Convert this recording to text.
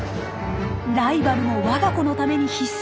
ライバルも我が子のために必死。